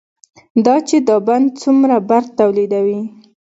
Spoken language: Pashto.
دا چې دا بند څومره برق تولیدوي،